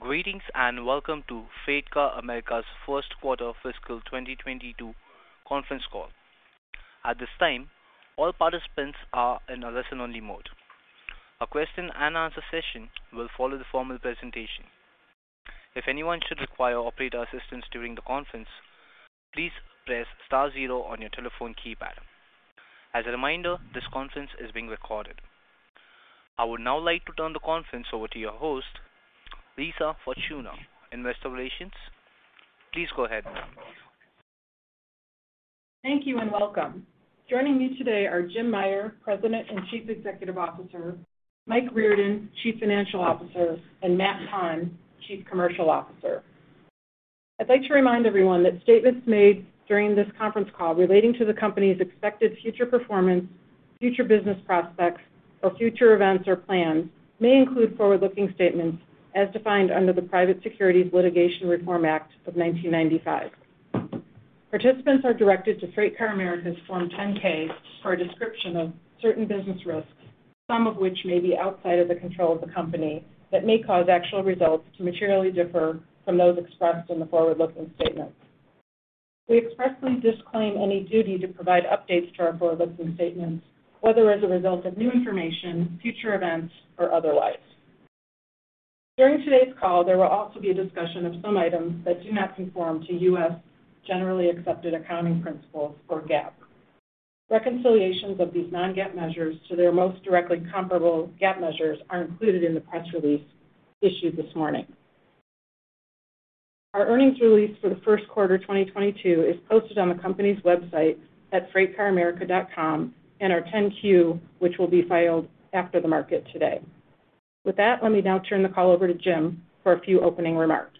Greetings and welcome to FreightCar America's First Quarter Fiscal 2022 Conference Call. At this time, all participants are in a listen only mode. A question and answer session will follow the formal presentation. If anyone should require operator assistance during the conference, please press star zero on your telephone keypad. As a reminder, this conference is being recorded. I would now like to turn the conference over to your host, Lisa Fortuna, Investor Relations. Please go ahead. Thank you and welcome. Joining me today are Jim Meyer, President and Chief Executive Officer, Mike Riordan, Chief Financial Officer, and Matt Tonn, Chief Commercial Officer. I'd like to remind everyone that statements made during this conference call relating to the company's expected future performance, future business prospects or future events or plans may include forward-looking statements as defined under the Private Securities Litigation Reform Act of 1995. Participants are directed to FreightCar America's Form 10-K for a description of certain business risks, some of which may be outside of the control of the company, that may cause actual results to materially differ from those expressed in the forward-looking statements. We expressly disclaim any duty to provide updates to our forward-looking statements, whether as a result of new information, future events or otherwise. During today's call, there will also be a discussion of some items that do not conform to U.S. generally accepted accounting principles or GAAP. Reconciliations of these non-GAAP measures to their most directly comparable GAAP measures are included in the press release issued this morning. Our earnings release for the 1st quarter 2022 is posted on the company's website at freightcaramerica.com and our 10-Q, which will be filed after the market today. With that, let me now turn the call over to Jim for a few opening remarks.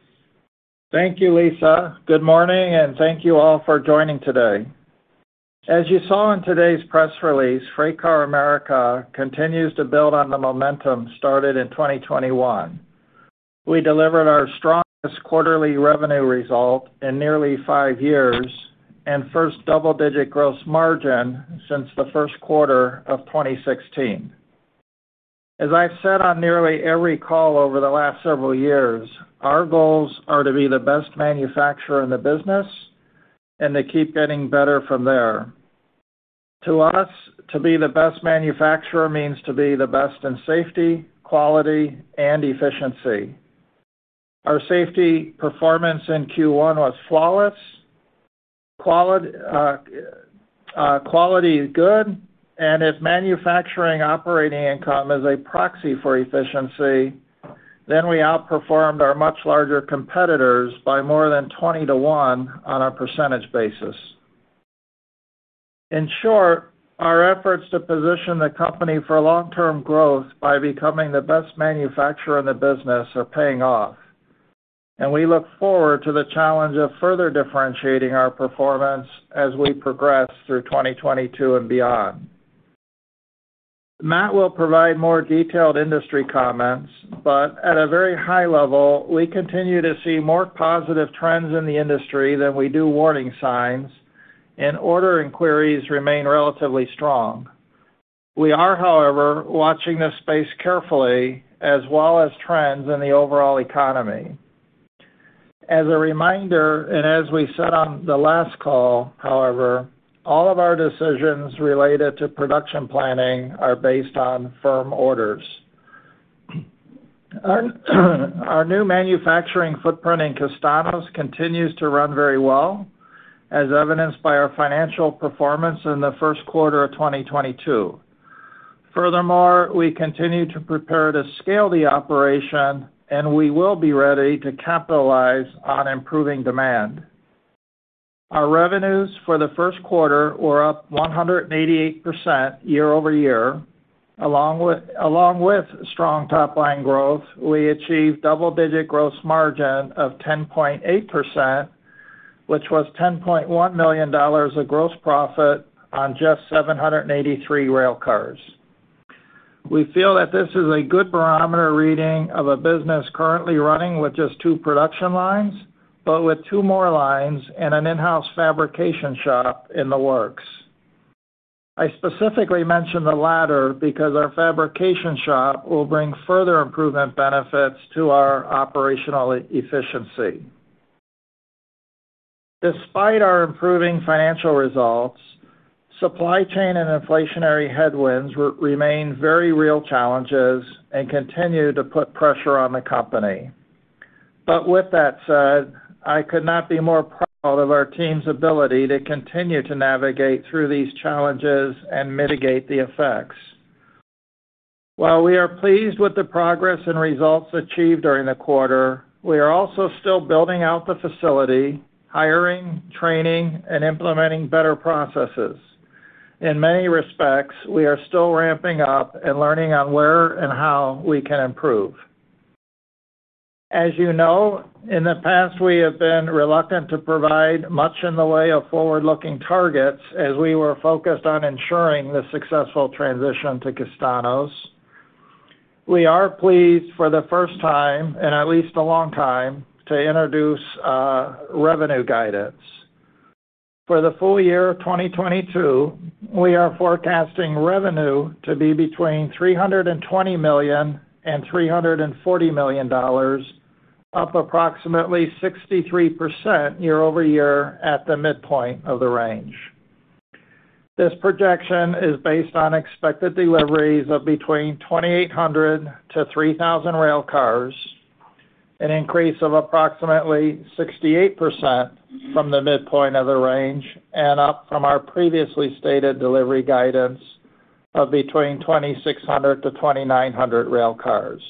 Thank you, Lisa. Good morning, and thank you all for joining today. As you saw in today's press release, FreightCar America continues to build on the momentum started in 2021. We delivered our strongest quarterly revenue result in nearly five years and 1st double-digit gross margin since the 1st quarter of 2016. As I've said on nearly every call over the last several years, our goals are to be the best manufacturer in the business and to keep getting better from there. To us, to be the best manufacturer means to be the best in safety, quality and efficiency. Our safety performance in Q1 was flawless, quality is good, and if manufacturing operating income is a proxy for efficiency, then we outperformed our much larger competitors by more than 20-1 on a percentage basis. In short, our efforts to position the company for long-term growth by becoming the best manufacturer in the business are paying off, and we look forward to the challenge of further differentiating our performance as we progress through 2022 and beyond. Matt will provide more detailed industry comments, but at a very high level, we continue to see more positive trends in the industry than we do warning signs, and order inquiries remain relatively strong. We are, however, watching this space carefully as well as trends in the overall economy. As a reminder, and as we said on the last call, however, all of our decisions related to production planning are based on firm orders. Our new manufacturing footprint in Castaños continues to run very well, as evidenced by our financial performance in the 1st quarter of 2022. Furthermore, we continue to prepare to scale the operation and we will be ready to capitalize on improving demand. Our revenues for the 1st quarter were up 188% year-over-year. Along with strong top line growth, we achieved double-digit gross margin of 10.8%, which was $10.1 million of gross profit on just 783 rail cars. We feel that this is a good barometer reading of a business currently running with just two production lines, but with two more lines and an in-house fabrication shop in the works. I specifically mentioned the latter because our fabrication shop will bring further improvement benefits to our operational efficiency. Despite our improving financial results, supply chain and inflationary headwinds remain very real challenges and continue to put pressure on the company. with that said, I could not be more proud of our team's ability to continue to navigate through these challenges and mitigate the effects. While we are pleased with the progress and results achieved during the quarter, we are also still building out the facility, hiring, training, and implementing better processes. In many respects, we are still ramping up and learning on where and how we can improve. As you know, in the past we have been reluctant to provide much in the way of forward-looking targets as we were focused on ensuring the successful transition to Castaños. We are pleased for the 1st time in at least a long time to introduce revenue guidance. For the full year of 2022, we are forecasting revenue to be between $320 million and $340 million, up approximately 63% year-over-year at the midpoint of the range. This projection is based on expected deliveries of between 2,800-3,000 railcars, an increase of approximately 68% from the midpoint of the range and up from our previously stated delivery guidance of between 2,600-2,900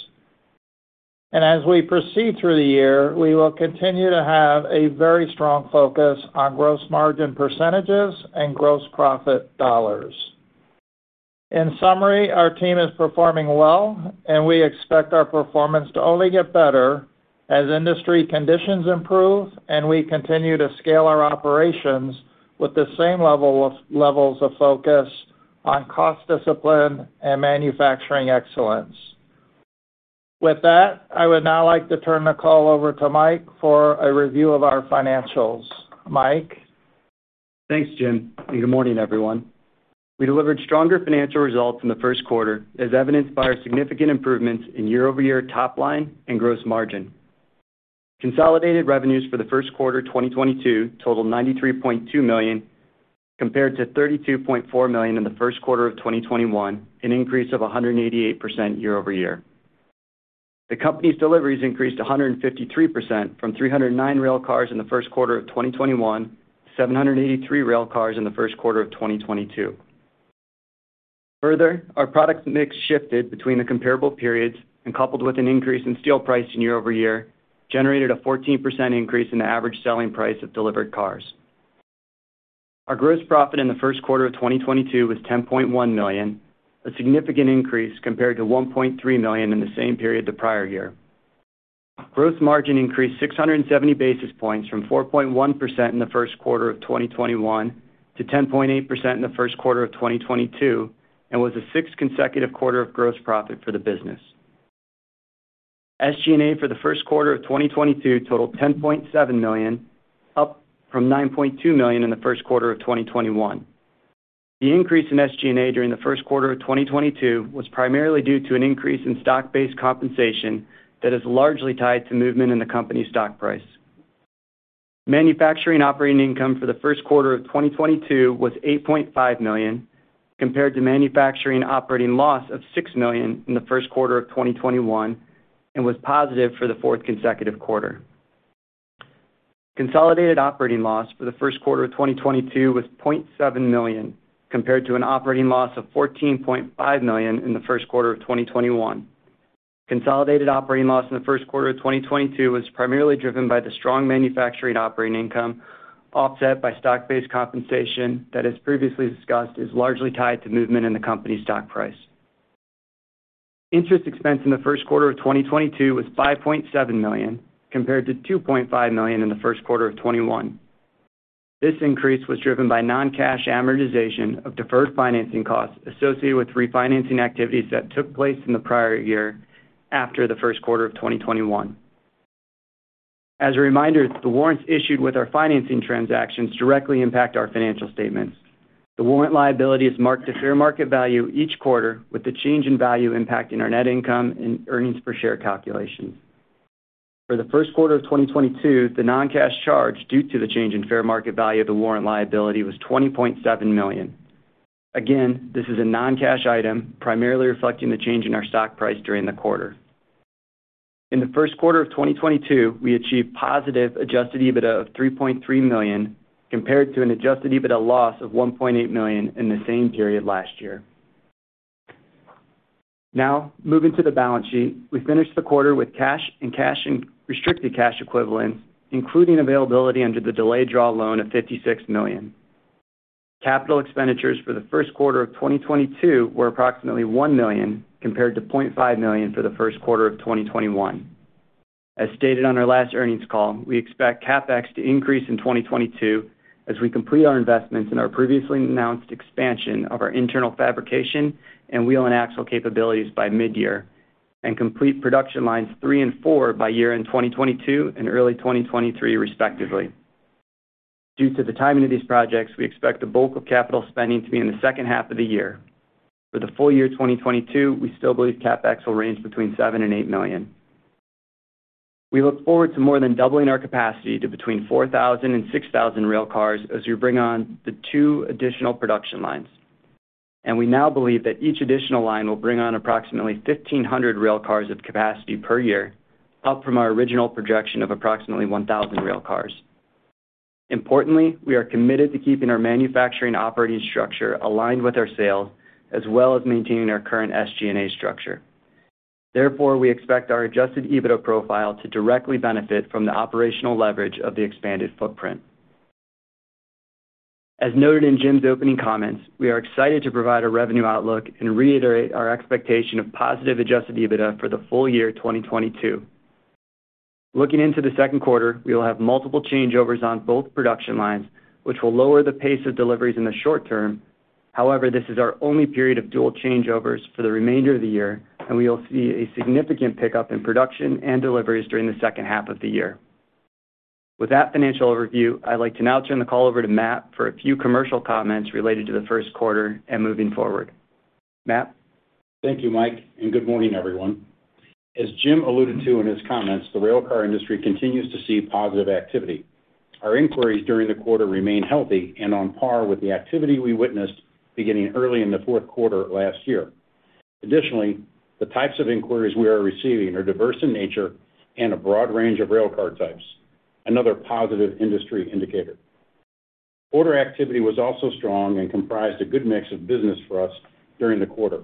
railcars. As we proceed through the year, we will continue to have a very strong focus on gross margin percentages and gross profit dollars. In summary, our team is performing well, and we expect our performance to only get better as industry conditions improve and we continue to scale our operations with the same levels of focus on cost discipline and manufacturing excellence. With that, I would now like to turn the call over to Mike for a review of our financials. Mike? Thanks, Jim. Good morning, everyone. We delivered stronger financial results in the 1st quarter, as evidenced by our significant improvements in year-over-year top line and gross margin. Consolidated revenues for the 1st quarter 2022 totaled $93.2 million compared to $32.4 million in the 1st quarter of 2021, an increase of 188% year-over-year. The company's deliveries increased 153% from 309 railcars in the 1st quarter of 2021 to 783 railcars in the 1st quarter of 2022. Further, our product mix shifted between the comparable periods and coupled with an increase in steel pricing year-over-year, generated a 14% increase in the average selling price of delivered cars. Our gross profit in the 1st quarter of 2022 was $10.1 million, a significant increase compared to $1.3 million in the same period the prior year. Gross margin increased 670 basis points from 4.1% in the 1st quarter of 2021 to 10.8% in the 1st quarter of 2022 and was the sixth consecutive quarter of gross profit for the business. SG&A for the 1st quarter of 2022 totaled $10.7 million, up from $9.2 million in the 1st quarter of 2021. The increase in SG&A during the 1st quarter of 2022 was primarily due to an increase in stock-based compensation that is largely tied to movement in the company's stock price. Manufacturing operating income for the 1st quarter of 2022 was $8.5 million compared to manufacturing operating loss of $6 million in the 1st quarter of 2021 and was positive for the 4th consecutive quarter. Consolidated operating loss for the 1st quarter of 2022 was $0.7 million compared to an operating loss of $14.5 million in the 1st quarter of 2021. Consolidated operating loss in the 1st quarter of 2022 was primarily driven by the strong manufacturing operating income, offset by stock-based compensation that, as previously discussed, is largely tied to movement in the company's stock price. Interest expense in the 1st quarter of 2022 was $5.7 million, compared to $2.5 million in the 1st quarter of 2021. This increase was driven by non-cash amortization of deferred financing costs associated with refinancing activities that took place in the prior year after the 1st quarter of 2021. As a reminder, the warrants issued with our financing transactions directly impact our financial statements. The warrant liability is marked to fair value each quarter, with the change in value impacting our net income and earnings per share calculation. For the 1st quarter of 2022, the non-cash charge due to the change in fair value of the warrant liability was $20.7 million. Again, this is a non-cash item primarily reflecting the change in our stock price during the quarter. In the 1st quarter of 2022, we achieved positive Adjusted EBITDA of $3.3 million, compared to an Adjusted EBITDA loss of $1.8 million in the same period last year. Now, moving to the balance sheet, we finished the quarter with cash and restricted cash equivalents, including availability under the Delayed Draw Loan of $56 million. Capital expenditures for the 1st quarter of 2022 were approximately $1 million compared to $0.5 million for the 1st quarter of 2021. As stated on our last earnings call, we expect CapEx to increase in 2022 as we complete our investments in our previously announced expansion of our internal fabrication and wheel and axle capabilities by mid-year and complete production lines three and four by year-end 2022 and early 2023, respectively. Due to the timing of these projects, we expect the bulk of capital spending to be in the 2nd half of the year. For the full year 2022, we still believe CapEx will range between $7 million and $8 million. We look forward to more than doubling our capacity to between 4,000 and 6,000 railcars as we bring on the two additional production lines. We now believe that each additional line will bring on approximately 1,500 railcars of capacity per year, up from our original projection of approximately 1,000 railcars. Importantly, we are committed to keeping our manufacturing operating structure aligned with our sales, as well as maintaining our current SG&A structure. Therefore, we expect our Adjusted EBITDA profile to directly benefit from the operational leverage of the expanded footprint. As noted in Jim's opening comments, we are excited to provide a revenue outlook and reiterate our expectation of positive Adjusted EBITDA for the full year 2022. Looking into the 2nd quarter, we will have multiple changeovers on both production lines, which will lower the pace of deliveries in the short term. However, this is our only period of dual changeovers for the remainder of the year, and we will see a significant pickup in production and deliveries during the 2nd half of the year. With that financial overview, I'd like to now turn the call over to Matt for a few commercial comments related to the 1st quarter and moving forward. Matt? Thank you, Mike, and good morning, everyone. As Jim alluded to in his comments, the railcar industry continues to see positive activity. Our inquiries during the quarter remain healthy and on par with the activity we witnessed beginning early in the 4th quarter last year. Additionally, the types of inquiries we are receiving are diverse in nature and a broad range of railcar types, another positive industry indicator. Order activity was also strong and comprised a good mix of business for us during the quarter.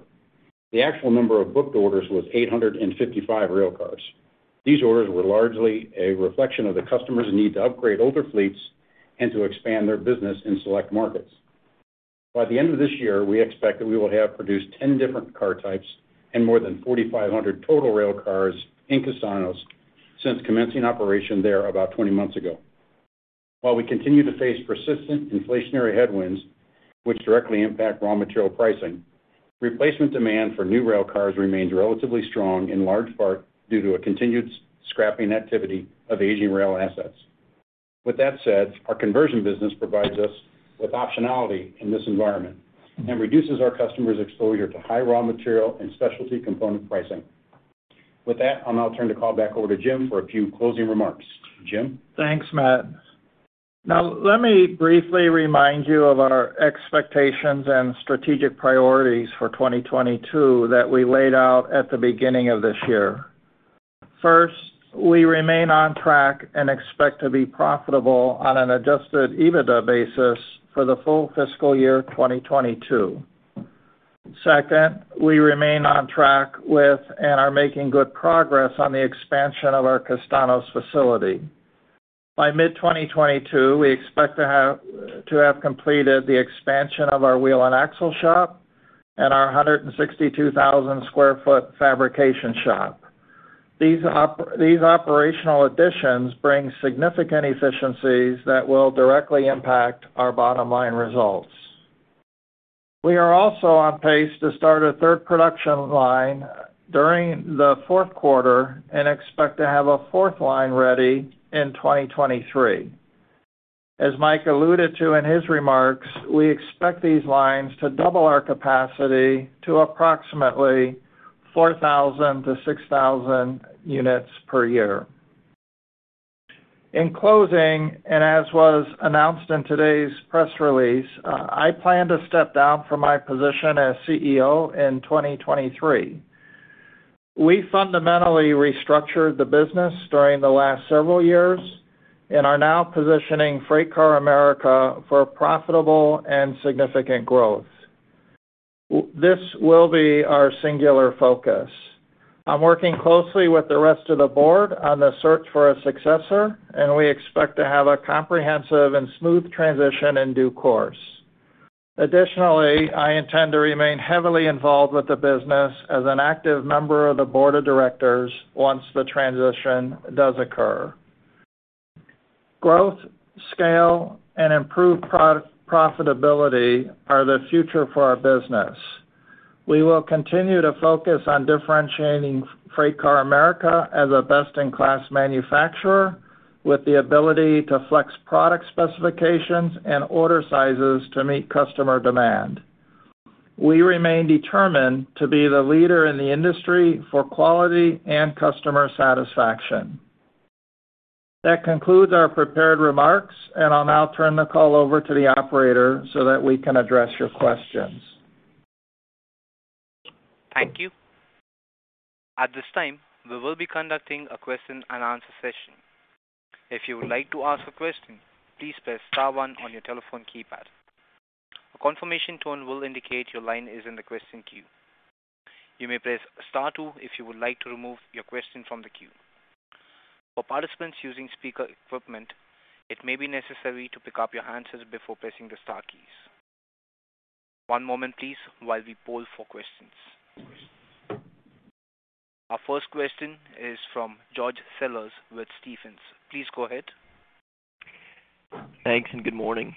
The actual number of booked orders was 855 railcars. These orders were largely a reflection of the customers' need to upgrade older fleets and to expand their business in select markets. By the end of this year, we expect that we will have produced 10 different car types and more than 4,500 total railcars in Castaños since commencing operation there about 20 months ago. While we continue to face persistent inflationary headwinds, which directly impact raw material pricing, replacement demand for new railcars remains relatively strong, in large part due to a continued scrapping activity of aging rail assets. With that said, our conversion business provides us with optionality in this environment and reduces our customers' exposure to high raw material and specialty component pricing. With that, I'll now turn the call back over to Jim for a few closing remarks. Jim? Thanks, Matt. Now, let me briefly remind you of our expectations and strategic priorities for 2022 that we laid out at the beginning of this year. First, we remain on track and expect to be profitable on an Adjusted EBITDA basis for the full fiscal year 2022. Second, we remain on track with and are making good progress on the expansion of our Castaños facility. By mid-2022, we expect to have completed the expansion of our wheel and axle shop and our 162,000 sq ft fabrication shop. These operational additions bring significant efficiencies that will directly impact our bottom line results. We are also on pace to start a 3rd production line during the 4th quarter and expect to have a 4th line ready in 2023. As Mike alluded to in his remarks, we expect these lines to double our capacity to approximately 4,000-6,000 units per year. In closing, and as was announced in today's press release, I plan to step down from my position as CEO in 2023. We fundamentally restructured the business during the last several years and are now positioning FreightCar America for profitable and significant growth. This will be our singular focus. I'm working closely with the rest of the board on the search for a successor, and we expect to have a comprehensive and smooth transition in due course. Additionally, I intend to remain heavily involved with the business as an active member of the board of directors once the transition does occur. Growth, scale, and improved profitability are the future for our business. We will continue to focus on differentiating FreightCar America as a best-in-class manufacturer with the ability to flex product specifications and order sizes to meet customer demand. We remain determined to be the leader in the industry for quality and customer satisfaction. That concludes our prepared remarks, and I'll now turn the call over to the operator so that we can address your questions. Thank you. At this time, we will be conducting a question and answer session. If you would like to ask a question, please press star one on your telephone keypad. A confirmation tone will indicate your line is in the question queue. You may press star two if you would like to remove your question from the queue. For participants using speaker equipment, it may be necessary to pick up your handsets before pressing the star keys. One moment, please, while we poll for questions. Our 1st question is from George Sellers with Stephens. Please go ahead. Thanks, and good morning.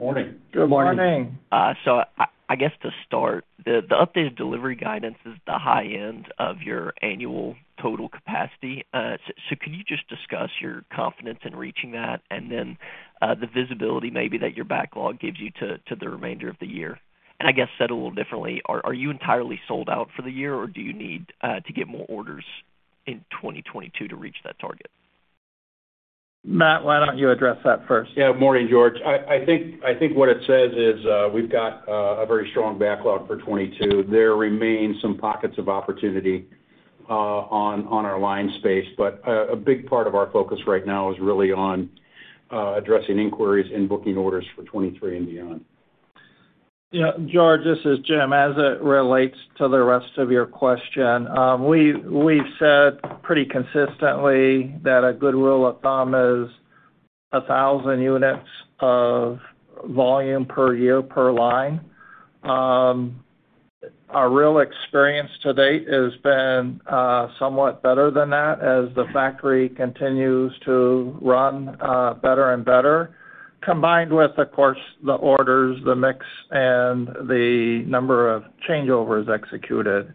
Morning. Good morning. I guess to start, the updated delivery guidance is the high end of your annual total capacity. Could you just discuss your confidence in reaching that and then, the visibility maybe that your backlog gives you to the remainder of the year? I guess said a little differently, are you entirely sold out for the year, or do you need to get more orders in 2022 to reach that target? Matt, why don't you address that 1st? Yeah. Morning, George. I think what it says is, we've got a very strong backlog for 2022. There remains some pockets of opportunity on our line space. A big part of our focus right now is really on addressing inquiries and booking orders for 2023 and beyond. Yeah, George, this is Jim. As it relates to the rest of your question, we've said pretty consistently that a good rule of thumb is 1,000 units of volume per year per line. Our real experience to date has been somewhat better than that as the factory continues to run better and better, combined with, of course, the orders, the mix, and the number of changeovers executed.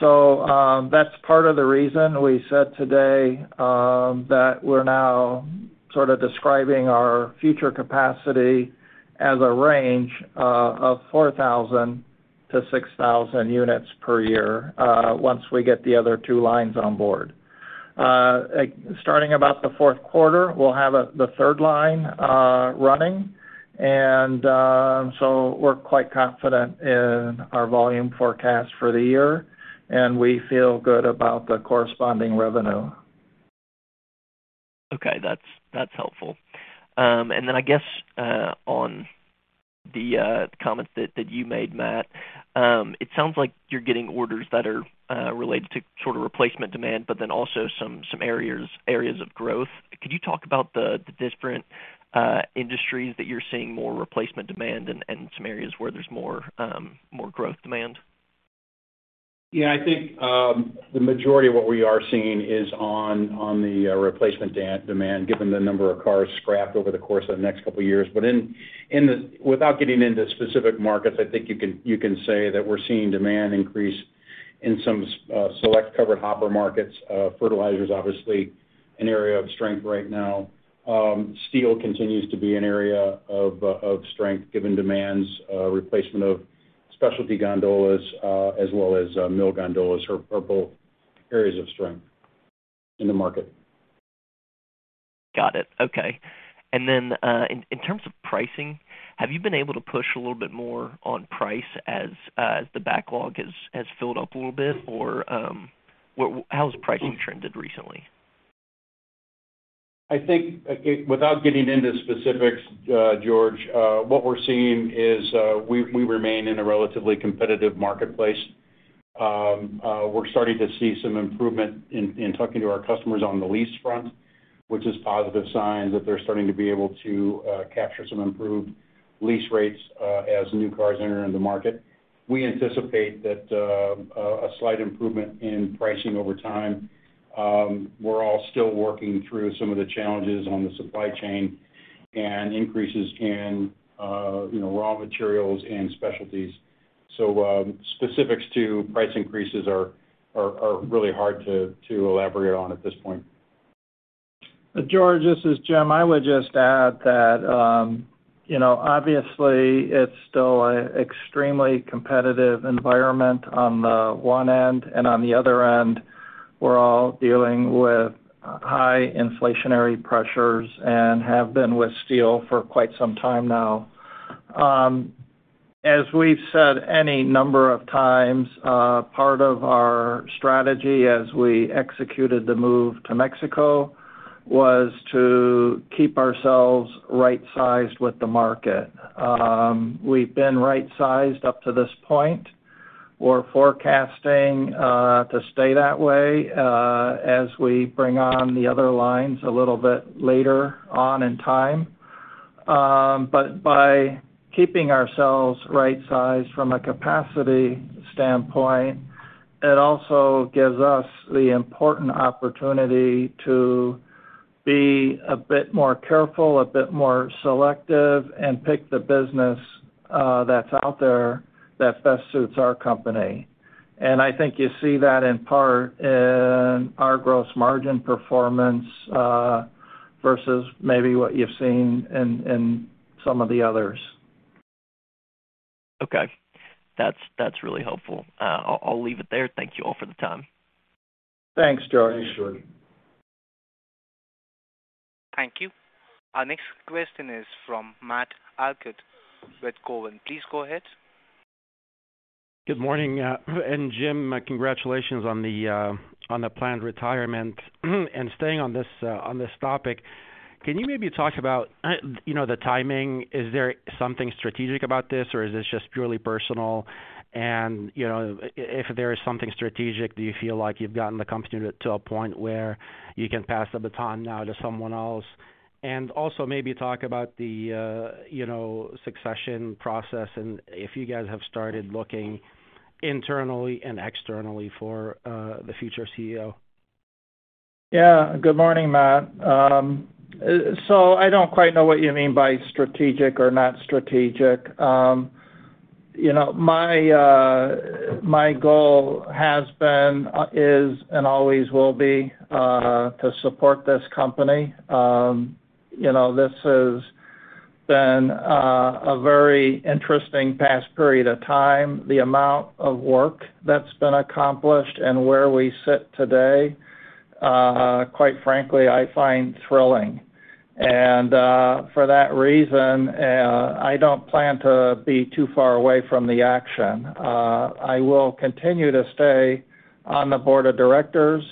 That's part of the reason we said today that we're now sort of describing our future capacity as a range of 4,000-6,000 units per year once we get the other two lines on board. Starting about the 4th quarter, we'll have the 3rd line running. We're quite confident in our volume forecast for the year, and we feel good about the corresponding revenue. Okay, that's helpful. Then I guess on the comments that you made, Matt, it sounds like you're getting orders that are related to sort of replacement demand, but then also some areas of growth. Could you talk about the different industries that you're seeing more replacement demand and some areas where there's more growth demand? Yeah. I think the majority of what we are seeing is on the replacement demand, given the number of cars scrapped over the course of the next couple of years. Without getting into specific markets, I think you can say that we're seeing demand increase in some select covered hoppers markets. Fertilizers, obviously an area of strength right now. Steel continues to be an area of strength given demand replacement of specialty gondolas, as well as mill gondolas are both areas of strength in the market. Got it. Okay. In terms of pricing, have you been able to push a little bit more on price as the backlog has filled up a little bit? Or, how has pricing trended recently? I think, again, without getting into specifics, George, what we're seeing is, we remain in a relatively competitive marketplace. We're starting to see some improvement in talking to our customers on the lease front, which is positive signs that they're starting to be able to capture some improved lease rates, as new cars enter into the market. We anticipate that, a slight improvement in pricing over time. We're all still working through some of the challenges on the supply chain and increases in, you know, raw materials and specialties. Specifics to price increases are really hard to elaborate on at this point. George, this is Jim. I would just add that, you know, obviously it's still an extremely competitive environment on the one end, and on the other end, we're all dealing with high inflationary pressures and have been with steel for quite some time now. As we've said any number of times, part of our strategy as we executed the move to Mexico was to keep ourselves right-sized with the market. We've been right-sized up to this point. We're forecasting to stay that way, as we bring on the other lines a little bit later on in time. By keeping ourselves right-sized from a capacity standpoint, it also gives us the important opportunity to be a bit more careful, a bit more selective, and pick the business that's out there that best suits our company. I think you see that in part in our gross margin performance versus maybe what you've seen in some of the others. Okay. That's really helpful. I'll leave it there. Thank you all for the time. Thanks, George. Thanks, George. Thank you. Our next question is from Matt Elkott with TD Cowen. Please go ahead. Good morning. Jim, congratulations on the planned retirement. Staying on this topic, can you maybe talk about you know, the timing? Is there something strategic about this, or is this just purely personal? If there is something strategic, do you feel like you've gotten the company to a point where you can pass the baton now to someone else? Also maybe talk about you know, the succession process and if you guys have started looking internally and externally for the future CEO. Yeah. Good morning, Matt. So I don't quite know what you mean by strategic or not strategic. You know, my goal has been, is and always will be to support this company. You know, this has been a very interesting past period of time. The amount of work that's been accomplished and where we sit today, quite frankly, I find thrilling. For that reason, I don't plan to be too far away from the action. I will continue to stay on the board of directors.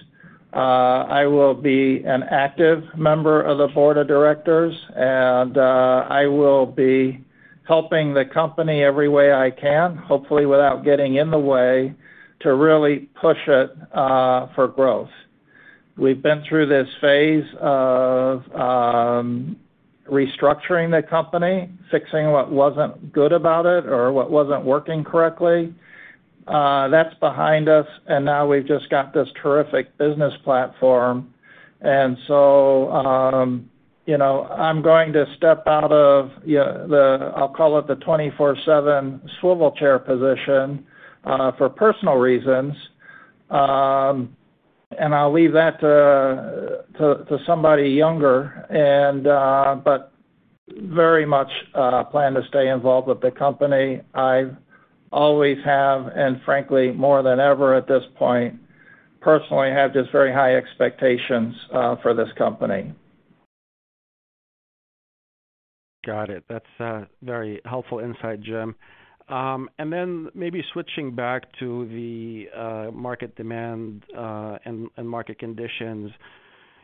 I will be an active member of the board of directors, and I will be helping the company every way I can, hopefully without getting in the way to really push it for growth. We've been through this phase of restructuring the company, fixing what wasn't good about it or what wasn't working correctly. That's behind us, and now we've just got this terrific business platform. You know, I'm going to step out of, I'll call it, the 24/7 swivel chair position for personal reasons. I'll leave that to somebody younger, but very much plan to stay involved with the company. I always have, and frankly, more than ever at this point, personally have just very high expectations for this company. Got it. That's very helpful insight, Jim. Maybe switching back to the market demand and market conditions. You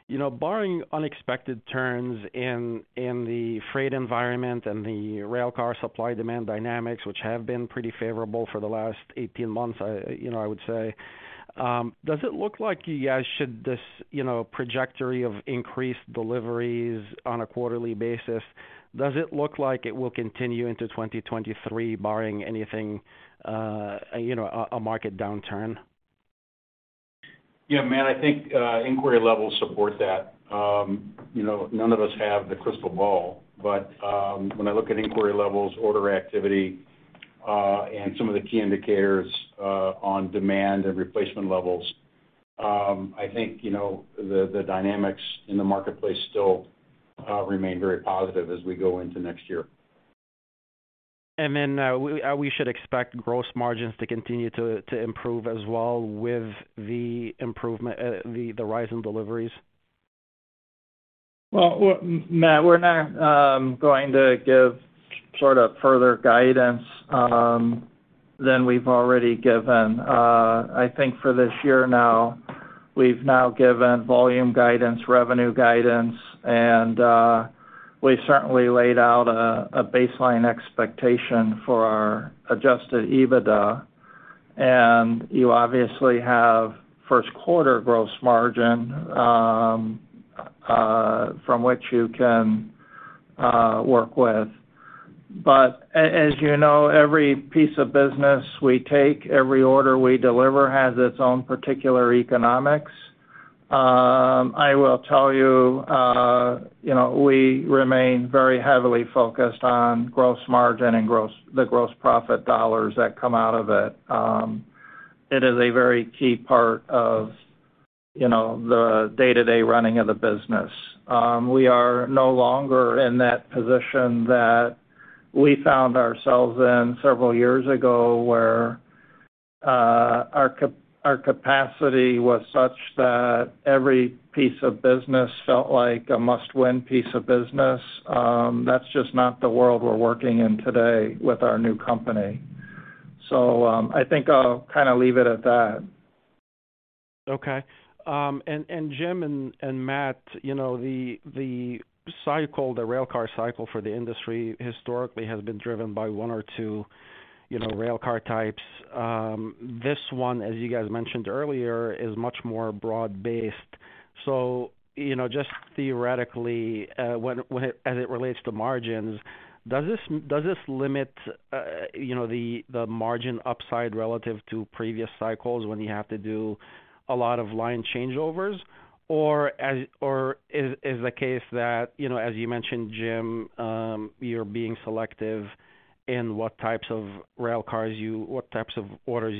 know, barring unexpected turns in the freight environment and the railcar supply demand dynamics, which have been pretty favorable for the last 18 months, you know, I would say, does it look like you guys should see this trajectory of increased deliveries on a quarterly basis, does it look like it will continue into 2023 barring anything, you know, a market downturn? Yeah, Matt, I think inquiry levels support that. You know, none of us have the crystal ball, but when I look at inquiry levels, order activity, and some of the key indicators on demand and replacement levels, I think, you know, the dynamics in the marketplace still remain very positive as we go into next year. We should expect gross margins to continue to improve as well with the rise in deliveries. Well, Matt, we're not going to give sort of further guidance than we've already given. I think for this year now, we've now given volume guidance, revenue guidance, and we certainly laid out a baseline expectation for our Adjusted EBITDA. You obviously have 1st quarter gross margin from which you can work with. As you know, every piece of business we take, every order we deliver has its own particular economics. I will tell you know, we remain very heavily focused on gross margin and the gross profit dollars that come out of it. It is a very key part of, you know, the day-to-day running of the business. We are no longer in that position that we found ourselves in several years ago where our capacity was such that every piece of business felt like a must-win piece of business. That's just not the world we're working in today with our new company. I think I'll kind of leave it at that. Okay. Jim and Matt, you know, the cycle, the railcar cycle for the industry historically has been driven by one or two, you know, railcar types. This one, as you guys mentioned earlier, is much more broad-based. You know, just theoretically, as it relates to margins, does this limit, you know, the margin upside relative to previous cycles when you have to do a lot of line changeovers? Is the case that, you know, as you mentioned, Jim, you're being selective in what types of orders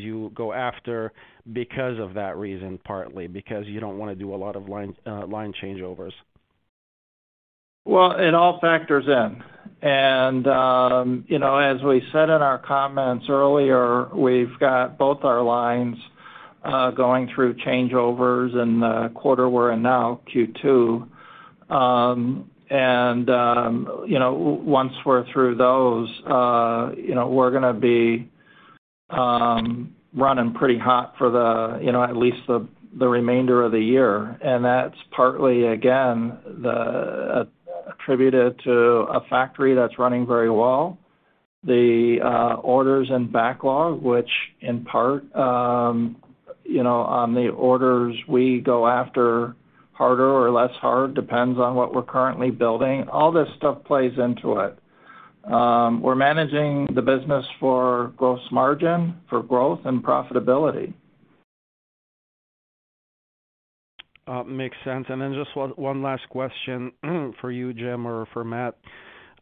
you go after because of that reason, partly because you don't wanna do a lot of line changeovers. Well, it all factors in. You know, as we said in our comments earlier, we've got both our lines going through changeovers in the quarter we're in now, Q2. You know, once we're through those, you know, we're gonna be running pretty hot for the, you know, at least the remainder of the year. That's partly, again, attributed to a factory that's running very well, the orders and backlog, which in part, you know, on the orders we go after harder or less hard, depends on what we're currently building. All this stuff plays into it. We're managing the business for gross margin, for growth and profitability. Makes sense. Just one last question for you, Jim or for Matt.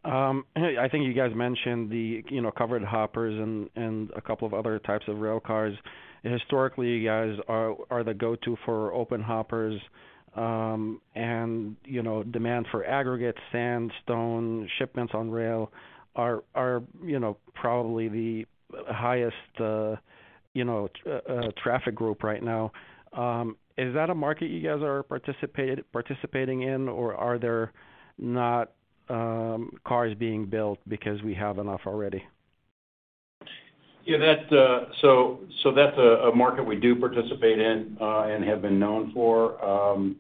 I think you guys mentioned the you know covered hoppers and a couple of other types of railcars. Historically, you guys are the go-to for open hoppers, and you know demand for aggregate sandstone shipments on rail are you know probably the highest you know traffic group right now. Is that a market you guys are participating in, or are there not cars being built because we have enough already? Yeah, that's so that's a market we do participate in, and have been known for.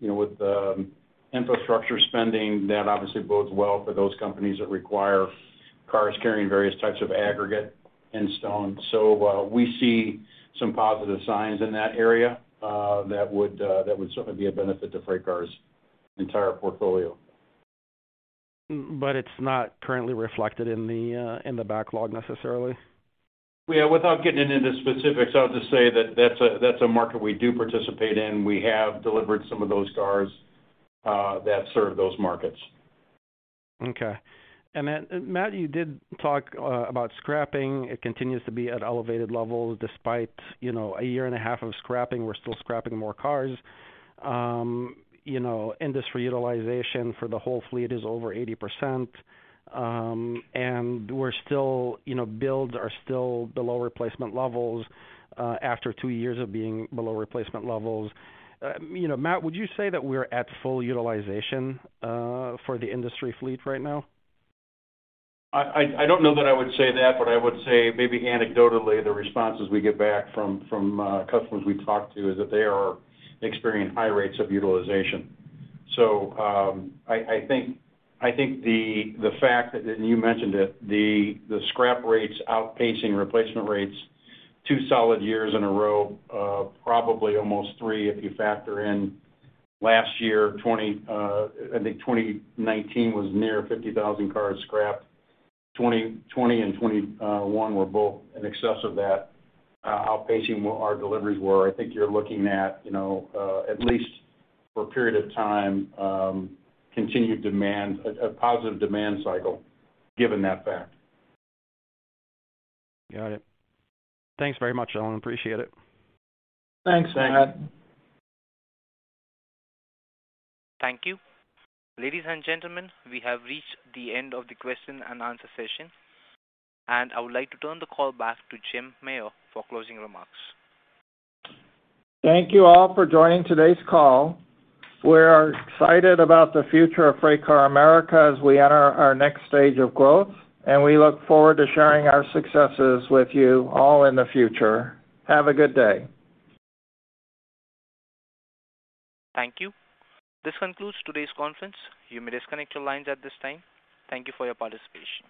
You know, with infrastructure spending, that obviously bodes well for those companies that require cars carrying various types of aggregate and stone. We see some positive signs in that area, that would certainly be a benefit to FreightCar's entire portfolio. It's not currently reflected in the backlog necessarily? Yeah, without getting into the specifics, I'll just say that that's a market we do participate in. We have delivered some of those cars that serve those markets. Okay. Then Matt, you did talk about scrapping. It continues to be at elevated levels despite, you know, a year and a half of scrapping. We're still scrapping more cars. You know, industry utilization for the whole fleet is over 80%. We're still, you know, builds are still below replacement levels after two years of being below replacement levels. You know, Matt, would you say that we're at full utilization for the industry fleet right now? I don't know that I would say that, but I would say maybe anecdotally, the responses we get back from customers we talk to is that they are experiencing high rates of utilization. I think the fact that, and you mentioned it, the scrap rates outpacing replacement rates two solid years in a row, probably almost three, if you factor in last year. I think 2019 was near 50,000 cars scrapped. 2020 and 2021 were both in excess of that, outpacing our deliveries were. I think you're looking at, you know, at least for a period of time, continued demand, a positive demand cycle given that fact. Got it. Thanks very much, gentlemen. Appreciate it. Thanks, Matt. Thank you. Ladies and gentlemen, we have reached the end of the question and answer session, and I would like to turn the call back to Jim Meyer for closing remarks. Thank you all for joining today's call. We are excited about the future of FreightCar America as we enter our next stage of growth, and we look forward to sharing our successes with you all in the future. Have a good day. Thank you. This concludes today's conference. You may disconnect your lines at this time. Thank you for your participation.